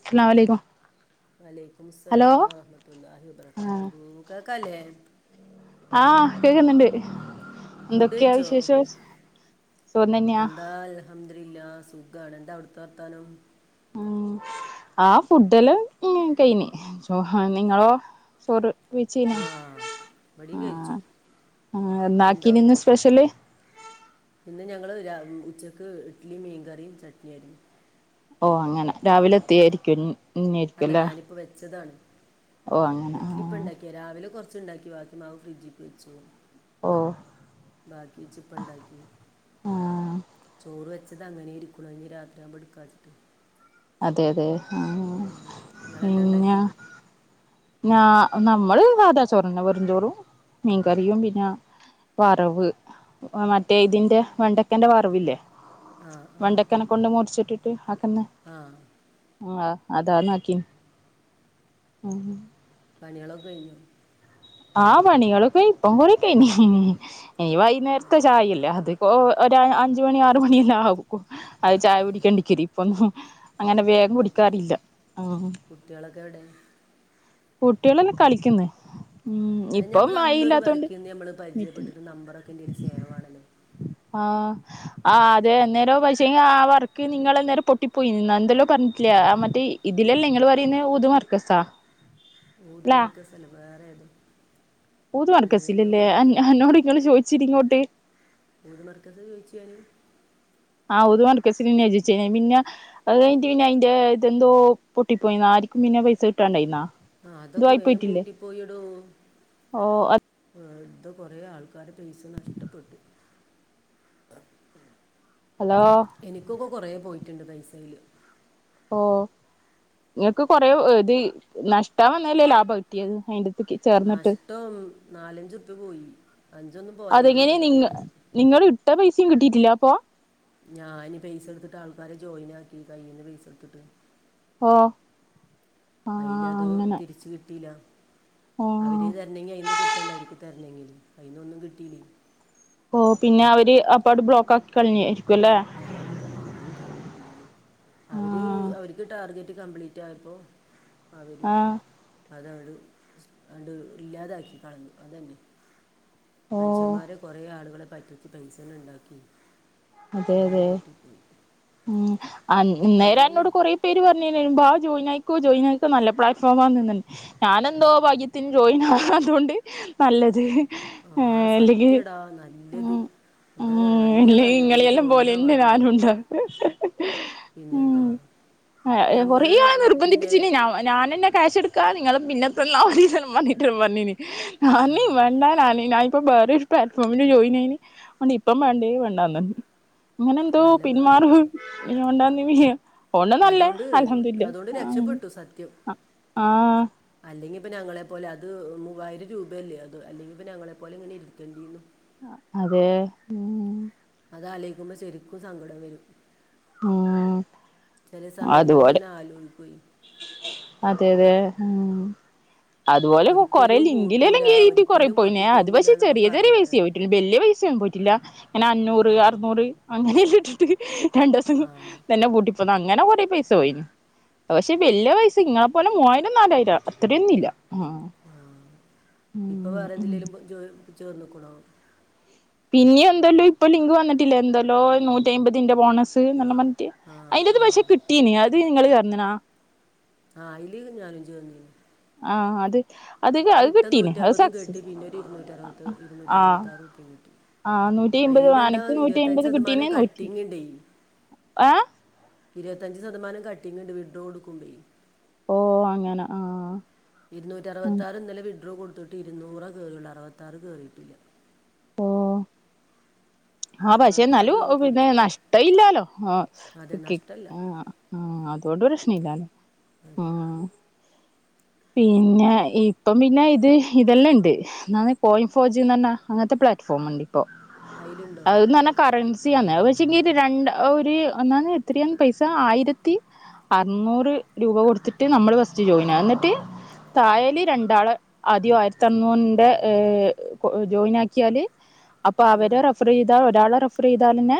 അസ്സലാം മലൈക്കും വലൈകും മുസ്സലാം റഹ്‌മത്തുള്ളാഹി ആഹ് വബറകാതുഹൂ കേക്കല്ലേ ആഹ് കേക്ക്ന്ന്ണ്ട്, ഫുഡ് എന്തൊക്കെയാ കഴിച്ചോ വിശേഷം സുഖം തന്നെയാ അൽഹംദുരില്ലാഹ് സുഖാണ് എന്താ അവ്ട്ത്തെ വർത്താനം ഹ്മ്മ്, ആഹ് ഫുഡെല്ലാം ഹ്മ്മ് കഴിഞ്ഞ് ആഹ് നിങ്ങളോ ചോറ് വെയ്ച്ച്ണോ ആ ഇവിടെയും കഴിച്ചു ആഹ്, ആഹ് എന്താ എന്നാക്കിന് ന്ന് സ്പെഷ്യല് ഇന്ന് ഞങ്ങള് രാ ഹ്മ്മ് ഉച്ചക്ക് ഇഡ്ഡ്ലിം മീൻകറിം ചട്നിം ആയിരുന്നു ഓഹ് അങ്ങനെ രാവിലെ എത്തിയായിരിക്കും അല്ല ഞാനിപ്പം വെച്ചതാണ്. ഓഹ് അങ്ങനെ ആഹ് ഇപ്പണ്ടാക്കിയാ രാവിലെ കൊർച്ച്ണ്ടാക്കി ബാക്കി മാവ് ഫ്രിഡ്ജിക്ക്‌ വെച്ചു ഓഹ് ബാക്കിഇച്ചിപ്പം ഇണ്ടാക്കി ആഹ് ചോറ് വെച്ചത് അങ്ങനേ ഇരിക്ക്ണു അത് ഇനി രാത്രി ആവുമ്പോ ഇട്ക്കാ വിചാരിച്ചിട്ട് അതെ അതെ. ആഹ് ഹ്മ്മ്, ഇങ്ങളെന്താ ഇണ്ടാക്കി പിന്നെ ഞാ നമ്മള് സാതാചോറന്നെ വെറുംചോറും മീൻകറിയും പിന്നാ വറവ് മറ്റേ ആ ഇതിന്റെ വെണ്ടക്കന്റെ വറവില്ലേ ആ വെണ്ടക്കന്നെ കൊണ്ട് മുർച്ചിട്ടിട്ട് അതന്നെ ആഹ് ആഹ് അതാണാക്കിൻ ആഹ്. പണികളൊക്കെ കഴിഞ്ഞോ ആ പണികളൊക്കെ ഇപ്പൊ കൊറേ കയിഞ്ഞി ഇനീ വൈകുന്നേരത്തെ ചായല്ലേ അത്. ഓ ഒരഞ്ച് മണി ആറു മണി എല്ലാം ആകും അത് ചായ കുടിക്കാൻ ഇപ്പൊന്നും അങ്ങനെ വേഗം കു- കുടിക്കാറില്ല. കുട്ടികളൊക്കെ എവിടെ കുട്ടിയേളെല്ലാം കളിക്കുന്ന് ഉം അ ഇപ്പം നമ്മളന്നൊര് മഴയില്ലാത്തോണ്ട് വർക്ക്ന്ന് നമ്മള് മിറ്റണ്ട് പരിചയപ്പെട്ടിട്ട് നമ്പറൊക്കെ എന്റീൽ സേവാണല്ലോ ആഹ് ആഹ് അതെ അന്നേരോ പൈസ ആ വർക്ക് നിങ്ങള്ന്നേരം പൊട്ടിപ്പോയി ന്ന് എന്തല്ലോ പറഞ്ഞിട്ടില്ലേ ആ മറ്റേ ഇതിലല്ലേ ഇങ്ങൾ പറയുന്നത് ഊത് മർക്കസോ ഊദ് മർക്കസ്സല്ല വേറെ ഏതോ ഊത് ഏ, എന്തോ മർക്കസില്ലല്ലേ എന്നോട് ഇങ്ങൾ ചോദിച്ചി ഇങ്ങോട്ട്. ഊത് മാർക്കസ് ചോദിച്ചു ഞാന് ആഹ് ഊദ് മർക്കസിന് തന്നെ ചോദിച്ചേ ഏ പിന്നെ അത് കഴിഞ്ഞിട്ട് പിന്നെ അയിന്റെ ഇതെന്തോ പൊട്ടിപ്പോയിന്നാ ആരിക്കും പിന്നെ പൈസ കിട്ടാണ്ടായിന്നാ ആഹ് എന്തോ അതൊക്കെ ആയി വേഗം പോയിട്ടില്ലേ പൂട്ടി പോയി എടോ ഓ വെറുതെ കുറെ ആൾക്കാരെ പൈസ നഷ്ടപ്പെട്ടു. [inaudible] ഹലോ എനിക്കൊക്കെ കൊറേ പോയിട്ടുണ്ട് പൈസ അയില് ഓ നിങ്ങൾക്ക് കൊറേ ഇത് നഷ്ട വന്നല്ലേ ലാഭം കിട്ടിയത് അതിന്റെത്ത്ക്ക് നഷ്ടം നാലഞ്ച് ഉറുപ്പിയ പോയി അഞ്ചൊന്നും പോരാ അയിന്റെ മേലെ പോയിക്ക് ഇങ്ങള് ഇട്ട പൈസയും കിട്ടിയിട്ടില്ല അപ്പൊ ഞാന് പൈസ എടുത്തിട്ട് ആൾക്കാരെ ജോയിൻ ആക്കി കയ്യിൽന്ന് പൈസ എടുത്തിട്ട് ഓ അയിൽ ആഹ് അത് അങ്ങനെ തിരിച്ചു കിട്ടിയില്ലാ അവര് ആഹ് തരണെങ്കി അയിന്ന് കിട്ടണ്ടെ അവർക്ക് തരണ ഉം അയിന്നൊന്നും കിട്ടിയി ഓ, പിന്നെ അവര് അപ്പാട് ബ്ലോക്ക് ആക്കി കളഞ്ഞായിരിക്കും അല്ലേ ആഹ് അങ്ങനെ തന്നെ അവര് ആഹ് അവർക്ക് ടാർഗറ്റ് കംപ്ലീറ്റ് ആയപ്പോ അവര് ആഹ് അതങ്ങട് അണ്ട് ഇല്ലാതാക്കി കളഞ്ഞു അതന്നെ. ഓ മനുഷ്യന്മാരെ കുറെ ആളുകളെ പറ്റിച്ച് പൈസ ഇങ്ങട് ഇണ്ടാക്കി. അതെ അതെ ഉം അന്നേര എന്നോട് അങ്ങനെയൊന്നും കുറേ പേർ പേര് പറഞ്ഞിനി വാ ജോയിനായിക്കൊ ജോയിനായിക്കോ നല്ല പ്ലാറ്റ്ഫോം ആണ്ന്ന് ഞാനെന്തോ ഭാഗ്യത്തിന് ജോയിൻ ആവാതോണ്ട് നല്ലത്. ആ, ഏഹ് അല്ലെങ്കി സത്യടാ നല്ലത് ഉം എന്താന്നറിയോ നല്ല കാര്യം നിന്നെ ജോയിൻ പോലെന്നെ ആവാതിരുന്നത് ഞാനുണ്ട പിന്നെന്താ ഉം നമ്മൾ കൊറേ ആൾ പിന്നെ നിർബന്ധിപ്പിച്ചിനി ഞാ ഞാനന്നെ ക്യാഷ് എടുക്കാ നിങ്ങൾ പിന്നെ തന്നാ മതി എന്നെല്ലോം പറഞ്ഞിട്ട് വന്നിനി ഞാൻ ആ, പറഞ്ഞി വേണ്ട ഞാൻ ഇപ്പൊ വേറെ പ്ലാറ്റ്ഫോമില് ജോയിനായീന് അതോണ്ട് ഇപ്പം വേണ്ടേ വേണ്ടന്ന് പറഞ്ഞു അങ്ങനെന്തോ നല്ല കാലം പിന്മാറു [unintelligible] അത് കൊണ്ട് നല്ല അതുകൊണ്ട് അൽ അതുകൊണ്ട് ഹംദുലില്ലാഹ് രക്ഷപ്പെട്ടു ആ ആഹ് അല്ലെങ്കി ഇപ്പൊ ഞങ്ങളെപ്പോലെ അത് മൂവായിരം രൂപയല്ലേ അത് അല്ലെങ്കി ഇപ്പൊ ഞങ്ങളെപ്പോലെ ഇങ്ങനെ ഇരിക്കണ്ടിർന്നു. അതെ ഉം അത് ആലോയിക്കുമ്പ ശരിക്കും സങ്കടം വരും. ഉം ചെല സമയങ്ങളിൽ അതുപോലെ ഇങ്ങനെ ആലോഴിക്കൊ അതെ അതെ ഉം. അതുപോലെ കൊറേ ഒരിക്കലും ലിങ്കിലെല്ലാം പൂട്ടൂല കേറീട്ട് കൊറെ ഒരിക്കലും പൊളിഞ്ഞേ അത് പൊട്ടിപ്പോകൂല പക്ഷെ എന്നൊക്കെ ചെറിയ ചെറിയ പറഞ്ഞിട്ടാണ് പൈസയിട്ട്. വല്യ പൈസ ഒന്നും പോയിട്ടില്ല ഇങ്ങനെ അഞ്ഞൂറ് അറുനൂറ് അങ്ങനെയല്ലാം ഇട്ടിട്ട്. രണ്ടോസം ആ തന്നെ പൂട്ടി പോന്ന അങ്ങനെ കുറെ പൈസ പോയിനി പക്ഷെ വല്യ വയസ്സ് ഇങ്ങെളെ പോലെ മൂവായിരം നാലായിരം അത്രയൊന്നും ഇല്ല. ആഹ് ആഹ് ഇപ്പൊ ഉം വേറെ ഉം എന്തെലേലും പോയി ജോയിൻ ചേർന്നക്കണോ. പിന്നെ എന്തല്ലോ ഇപ്പൊ ലിങ്ക് വന്നിട്ടില്ല എന്തല്ലോ നൂറ്റിയ്മ്പതിന്റെ ബോണസ് നല്ലപർഞ് റ്റ് ആ അയിന്റെത് ആ പക്ഷെ കിട്ടീനി അത് നിങ്ങള് ചേർന്ന്ണോ ആഹ് അയ്ലീ ഞാനും ഇജ് വന്നീനി ആഹ് അത് അത് ഇട്ട കിട്ടീന് നൂറ്റി അത് അമ്പതും കിട്ടി സക്സസ് പിന്നെ ഒരു ഇരുന്നൂറ്ററുപത് ആഹ് ഇരുന്നൂറ്ററുപത്താറുപ്യാ കിട്ടി. ആഹ് നൂറ്റി അമ്പത് അയ്ല് എന്താ അനക്ക് നൂറ്റി ഇരുപത്തഞ്ച് അമ്പത് ശതമാനം കിട്ടീന് നൂറ്റി കട്ടിങ്ണ്ടേനി ഏഹ് ഇരുപത്തഞ്ച് ശതമാനം കട്ടിങ്ണ്ട് വിഡ്രോ കൊടുക്കുമ്പെ ഓഹ് അങ്ങനെ ആഹ് ഇരുന്നൂറ്റി അറുവത്താറ് ഇന്നലെ വിഡ്രോ കൊടുത്തിട്ട് ഇരുന്നൂറ കേറിള്ളൂ അറുപത്താറ് കേറിയിട്ടില്ല. ഓ ആഹ് പക്ഷെ അറുപത്താറ് ഇന്നാലും രൂപ പിന്നെ പിടിച്ചിരിക്കുന്നു നഷ്ട ഇല്ലാലോ ആ അതെ നഷ്ടമല്ല ആഹ് ആഹ് അതോണ്ട് പ്രശ്ന ഇല്ലാലോ അതെ ഉം പിന്നെ ഇപ്പം പിന്നെ ഇത് ഇതെല്ലാം ഉണ്ട് എന്നാണ് കോയിം ഫോജ്ന്നർഞ അങ്ങൻത്തെ പ്ലാറ്റ്ഫോം ഉണ്ട് ഇപ്പോ അതിലുണ്ടോ അത്ർഞ കറൻസി ആന്ന് പക്ഷെങ്കിൽ രണ്ട് ഒരു അന്നാന്ന് എത്രയാണ് പൈസ ആയിരത്തി അർന്നൂറ് രൂപ കൊടുത്തിട്ട് നമ്മള് ഫസ്റ്റ് ജോയിൻ ആ എന്നിട്ട്. തായേലി രണ്ടാള് ആദ്യം ആയിരത്തി അർന്നൂറിന്റെ ജോയിനാക്കിയാല് അപ്പൊ അവരെ റെ ഫറെയ്താ ഒരാള റഫറെയ്താലെന്നെ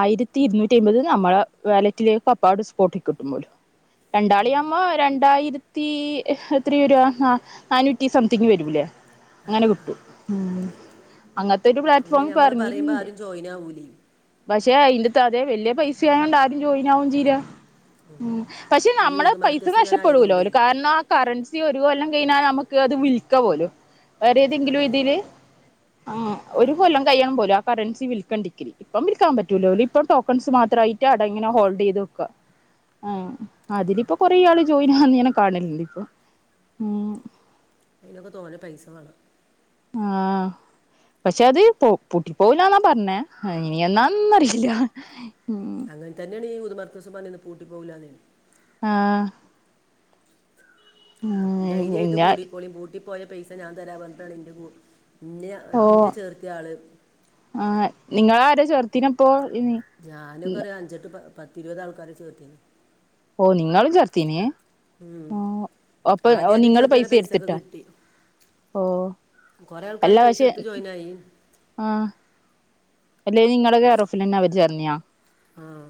ആയിരത്തി ഇരുന്നൂറ്റി അമ്പത് നമ്മളെ വാലറ്റിലേക്ക് അപ്പാട് സ്പോട്ടി കിട്ടുമ്പോലും രണ്ടാളി ആവുമ്പൊ രണ്ടായിരത്തി എത്രെ വെര നാനൂറ്റി സംതിങ്ങ് വെരൂലേ അങ്ങനെ കിട്ടും ഉം അങ്ങത്തൊരു അതിന് പ്ലാറ്റ്ഫോം നമ്മൾ പറയുമ്പോൾ പറഞ്ഞിട്ടണ്ട്. ആരും ജോയിൻ ആവൂലേ പക്ഷെ അയിന്റെറ്റതെ വല്യ പൈസായോണ്ട് ആരും ജോയിനാവും ചെയ്യില ഉം പക്ഷെ ഈ നമ്മള യൂത് പൈസ മർക്കസ് ഇങ്ങനെ നഷ്ടപ്പെടൂലോ ആയതുകൊണ്ടേ ഒരു കാരണം കറൻസി ഒരു കൊല്ലം കഴിഞ്ഞാൽ നമുക്ക് അത് വിൽക്ക പോലും. വേറെ ഏതെങ്കിലും അതെ ഇതില് ആ ഒരു കൊല്ലം കയ്യണം പോലും ആ കറൻസി വിൽക്കേണ്ടിക്കി. ഇപ്പം വിൽക്കാൻ പറ്റൂല ഓലിപ്പ ടോക്കൺസ് മാത്രായിട്ട് അട ഇങ്ങനെ ഹോൾഡയ്ത് വെക്ക [inaudible] അതിലിപ്പോ കൊറെ ആള് ജോയിൻ ആവ്ന്നങ്ങനെ കാണലണ്ട് ഇപ്പൊ ഉം അതിനൊക്കെ തോനെ പൈസ വാണം. ആഹ് പക്ഷെ അത് പൊട്ടി പോവലന്നാ പറഞ്ഞേ ഇനി എന്നാന്നറിയില്ല. അങ്ങൻ തന്നേണ് ഈ ഊതുമർകസും പർഞ്ഞിന്നെ പൂട്ടി പോക്‌ലാന്ന് ആഹ് ആഹ് ധൈര്യയിട്ട് പിന്നെ കൂടിക്കോളി പൂട്ടിപോയ പൈസ ഞാൻ തരാ പർഞ്ഞിട്ടാണ് ഇന്റെത് ഇന്നിയ ഇന്ന ചേർത്തി ആള്. ആ നിങ്ങൾ ആരെ ചെർത്തിന് അപ്പോ ഇമ്മി ഞാനൊക്കെ അറിയാം അഞ്ചെട്ട് പത്തിരുപത് ആൾക്കാരെ ചേർത്തിനി. ഓഹ് നിങ്ങളു ചർത്തീനിയെ ആഹ് അപ്പൊ ആദ്യം ഓഹ് ആദ്യം നിങ്ങൾ ചേർത്തവരെ പൈസ ഒക്കെ എടുത്തിട്ടാ. കിട്ടി ഓഹ് കുറേ ആൾക്കാർ അല്ല പൈസ പക്ഷേ എടുത്ത് ജോയിൻ ആയി ആഹ് അല്ലെ നിങ്ങള കെറോഫിൽ തന്നെ അവര് ചേർന്നിയാ ആഹ്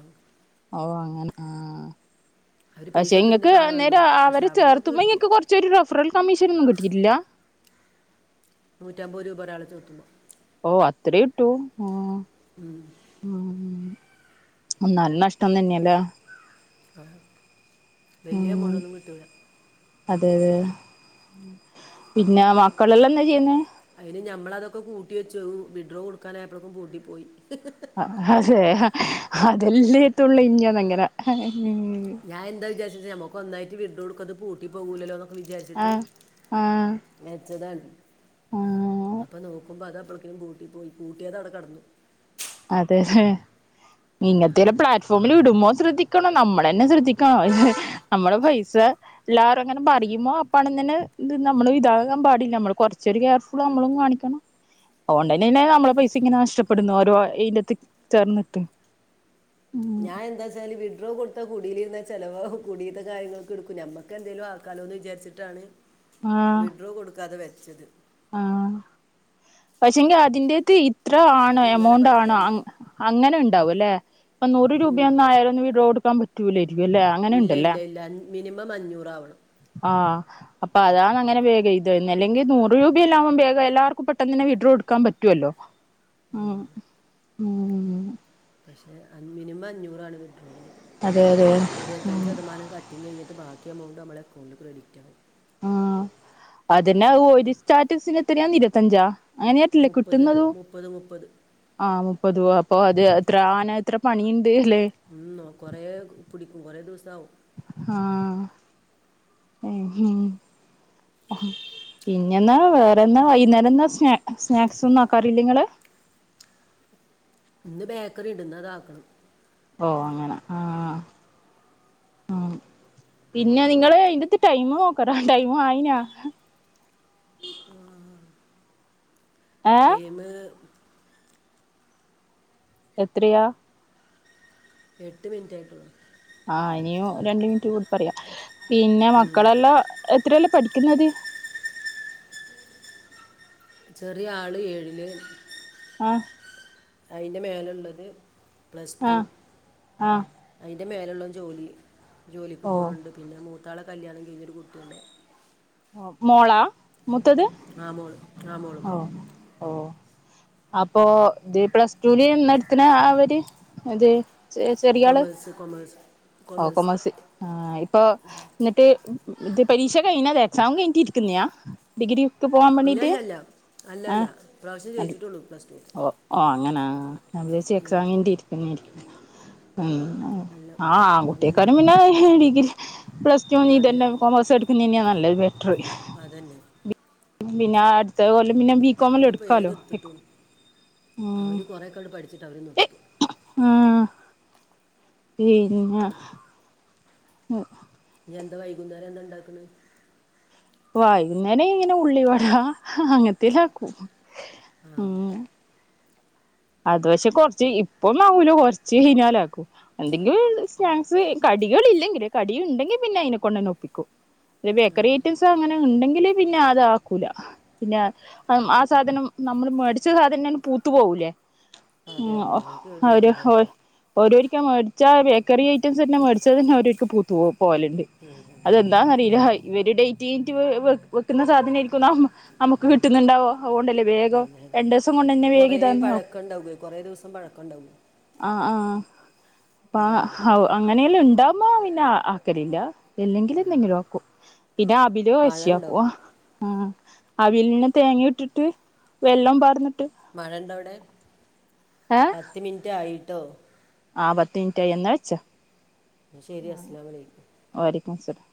ഓഹ് അങ്ങനെ ആഹ് അവർ പൈസ പക്ഷെ എടുത്തിട്ട് ഇങ്ങൾക്ക് താഴെ വന്നു അനേരം പക്ഷെ അവരെ അവരൊക്കെ ചേർത്തുമ്പോ കിട്ടിയ ഇയാക്ക് കൊറ ചൊരു റെഫറൽ കമ്മിഷൻ ഒന്നും കിട്ടിട്ടില്ല നൂറ്റമ്പത് രൂപ ഒരാളെ ചോത്തുമ്പോ ഓഹ് അത്രെ കിട്ടു ആഹ് ഉം ഉം എന്നാലും നഷ്ടം തന്നെയല്ലേ ആഹ് വല്യ ഉം എമൗണ്ട് ഒന്നും കിട്ടുല്ല അതെ ഉം പിന്നെ മക്കളെല്ലാം എന്താ ചെയ്യുന്നെ അതിന് ഞമ്മള അതൊക്കെ കൂട്ടി വെച്ചു വിഡ്രോ കൊടുക്കാനായപ്പളെക്കും പുട്ടിപ്പോയി അതെ അതെല്ലത്തുള്ള ഇഞ്ഞന്ന് അങ്ങനെ ഉം ഞാൻ എന്താ വിചാരിച്ചേ നമക്ക് ഒന്നായിട്ട് വീഡ്രോ കൊടുക്കത് പൂട്ടി പോകൂലല്ലോ എന്നൊക്കെ വിചാരിച്ചിട്ട് ആഹ് ആഹ് ആഹ് വെച്ചതാണ് അപ്പൊ നോക്കുമ്പോ അത് അപ്പോളക്കിനും പൂട്ടി പോയി കൂട്ടിയത അവിടെ കടന്നു അതെ ഹെ ഇങ്ങനത്തെ ഒരു പ്ലാറ്റ്ഫോമിൽ ഇടുമ്പോ ശ്രദ്ധിക്കണോ നമ്മളാന്നെ ശ്രദ്ധിക്കണോ നമ്മുടെ പൈസ എല്ലാരും അങ്ങനെ പറയുമോ അപ്പണ ഇങ്ങനെ ഇ നമ്മള് ഇതാകാൻ പാടില്ല നമ്മള് കുറച്ചോരു ഗ്യാപ്സ് നമ്മളും കാണിക്കണം അങ്ങനെ ഓൺലൈനനെ നമ്മള പൈസ ഇങ്ങനെ നഷ്ടപ്പെടുന്നു ഓരോ അയിനത്ത് ചേർന്നിട്ട് ഞാൻ എന്ത്‌ വച്ചാൽ വിഡ്രോ കൊട് ഇത്തെ കുടിൽ ഇരുന്ന ചെലവകും കുടിയത്തെ കാര്യങ്ങൊക്കെ എടുക്കും നമ്മക്ക്ന്തേലും ആക്കാലോ എന്ന് വിചാരിച്ചിട്ടാണ് ആഹ് വിഡ്രോ കൊടുക്കാതെ വെച്ചത് ആഹ് പക്ഷെങ്കിൽ അതിന്റെതി ഇത്ര ആണ് അതിങ്ങനെ എമൗണ്ട് ആണോ പറ്റല്ല അങ് അങ്ങനെ ഉണ്ടാവും അല്ലെ ഇപ്പൊ നൂറ് ഉം. രൂപയൊന്ന് ആയാൽ ഒന്ന് വിഡ്രോ കൊടുക്കാൻ പറ്റൂലായിരിക്കും അല്ലേ അങ്ങനെ ഇല്ല ഉണ്ടല്ലേ ഇല്ല ഇല്ല മിനിമം അഞ്ഞൂറാവണം ആഹ് അപ്പ അതാണ് അങ്ങനെ വേഗയിത് അല്ലെങ്കിൽ നൂറ് രൂപയല്ലാവുമ്പോ വേഗം എല്ലാർക്കും പെ ട്ടാന്ന് തന്നെ വിഡ്രോ എടുക്കാൻ പറ്റുവല്ലോ ഉം [unintelligible] പക്ഷെ ആ മിനിമം അഞ്ഞൂറാണ് വിഡ്രോവൽ അതെ അതെ ഇരുപത്തഞ്ച് ശതമാനം ക ട്ടും കഴിഞ്ഞിട്ട് ബാക്കി എമൗണ്ട് നമ്മടെ അക്കൗണ്ട്ക്രെഡിറ്റ് ആവും ആ അതന്നെ ഒരു സ്റ്റാറ്റസിന് എത്രയാന്ന് ഇരുപത്തഞ്ചാ അങ്ങനെയാട്ടില്ലേ മുപ്പത് കിട്ടുന്നതു മുപ്പത് മുപ്പത് ആഹ് മുപ്പത് അപ്പൊ അത് അത്ര ആന എത്ര പണിയുണ്ട് അല്ലെ ഉം ഓഹ് കൊറേ പിടിക്കും കുറേ ദിവസവും ആഹ് ഏഹ് പിന്നെന്നാ വേറെന്താ വൈകുന്നേരം എന്നാ സ് സ്നാക്സ് ഒന്നും ആക്കാറില്ലെ നിങ്ങള് ഇന്ന് ബേക്കറി ഉണ്ട് ഇന്ന് അത ആക്കണം ഓഹ് അങ്ങനെ ആഹ് ആഹ് പിന്നെ നിങ്ങള് അയിന്റെത്ത് ടൈം നോക്ക്ട്ടാ ടൈമ് ആയിനാ ഏഹ് ടൈമ് എത്രയാ എട്ട് മിനിറ്റ് ആയിട്ടുള്ളു ആഹ് ഇനിയും രണ്ട് മിനിറ്റ് കൂടി പറയാ പിന്നെ മക്കളെല്ലാം എത്രയിലാ പഠിക്കുന്നത് ചെറിയ ആള് ഏഴില് ആഹ് അതിൻ്റെ മേലെ ഉള്ളത് പ്ലസ് ടു ആഹ് ആഹ് അതിൻ്റെ മേലുള്ളത് ജോലി ജോലിക്ക് ഓ പോകണുണ്ട് പിന്നെ മൂത്താളെ കല്യാണം കഴിഞ്ഞൊരു കുട്ടിയുണ്ട് മോളാ മൂത്തത് ആ മോള് ആ മോള് മോള് ഓഹ് അപ്പൊ ഇത് പ്ലസ് ടൂ ല് എന്ന് എടുത്തണേ അവര് അത് ചെറിയാള് കൊമേഴ്സ് കൊമേഴ്സ് ഓഹ് കൊമേഴ്സ് ആഹ് ഇപ്പൊ എന്നിട്ട് ഇത് പരീക്ഷ കഴിഞ്ഞ് എക്സാം കഴിഞ്ഞിട്ടിരിക്കുന്നെയാ ഡിഗ്രിക്ക് പോവാൻ ഇല്ല വേണ്ടീട്ട് അല്ല അല്ല അല്ല അല്ല ആഹ് പ്രാവശ്യം ന ജയിച്ചിട്ടുള്ളൂ പ്ലസ് ടു ഓഹ് ഓഹ് അങ്ങനെ ആഹ് ഞാൻ വിചാരിച്ച് എക്സാം കഴിഞ്ഞിട്ട് ഇരിക്കുന്നെയാന്ന് മ്മ് അല്ല ആഹ് കുട്ടിയക്കാരും അങ്ങനെയല്ല പിന്നെ ഡിഗ്രി പ്ലസ് ടൂ കഴിഞ്ഞ് അതെ ഇതന്നെ കൊമേഴ്സ് എ തന്നെയാ നല്ലത് ബെറ്ററ് അതന്നെ പിന്നെ അടുത്ത കൊല്ലം പിന്നെ ബീകോമിൽ എടുക്കാലോ അവര് കുറെേയൊക്കെ അങ്ങ് പഠിച്ചിട്ട് അവര് നിർത്തും ആഹ് പിന്നെ മ്മ് ഇനി എന്താ വൈകുന്നേരം എന്താ ഉണ്ടാക്കണ് ഓഹ് വൈകുന്നേരം ഇങ്ങനെ ഉള്ളി വടാ അങ്ങനത്തെൽ ആക്കും ആഹ് ഉം അത് പക്ഷെ കുറച്ച് ഇപ്പൊ ഒന്നും ആവൂല കുറച്ച് കഴിഞ്ഞാല് ആക്കും എന്തെങ്കിലും സ്നാക്സ് കടികൾ ഇല്ലെങ്കില് കടി ഉണ്ടെങ്കിൽ പിന്നെ അയിതിനെ കൊണ്ട്ന്നെ ഒപ്പിക്കും പിന്നെ ബേക്കറി ഐറ്റംസ് അങ്ങനെ ഉണ്ടെങ്കില് പിന്നെ അത് ആക്കൂല പിന്നെ ആ സാധനം നമ്മള് മേടിച്ച സാധനം പൂത്ത് പോകൂല്ലേ ആ അതെ മ്മ് അതെ അതെ കേട് അവര് വരും വേഗം ഓരോരിക്കാ മേടിച്ച ബേക്കറി ഐറ്റംസ് തന്നെ മേടിച്ചാൽ തന്നെഓരോർക്ക് പൂത്തത്ത് പോലുണ്ട് മ്മ് മ്മ് എന്താന്നറിയില്ല ഇവര് ഡേറ്റ് കയിഞ്ഞിട്ട് വെക്കുന്ന സാധനം ആയിരിക്കും നമ്മ നമുക്ക് കിട്ടുന്നുണ്ടാവ അതൊണ്ടല്ലേ അതെ അതെ കൊറേ പഴക്കം ഉണ്ടാകുമേ കൊറെേ ദിവസം പഴക്കമുണ്ടാകും ആഹ് ആഹ് അപ്പം അങ്ങനെല്ലാം ഉണ്ടാകുമ്പോ പിന്നെ ആക്കലില്ല ഇല്ലെങ്കില് എന്തെങ്കിലും ആക്കും പിന്നെ അബിലോ മഴ ഉണ്ടോ കച്ചയാക്കോ ആഹ് അവിലിന്ന് തേങ്ങ ഇട്ടിട്ട് വെല്ലോം പാർന്നിട്ട് മഴ ഇണ്ടോ അവിടെ ഏഹ് പത്ത് മിനിറ്റ് ആയിട്ടോ ആഹ് പത്ത് മിൻറ്റായി എന്നാ വെച്ചോ. ശെരി അസ്സലാമു അലൈക്കും. വ അലൈക്കു മുസ്സലാം.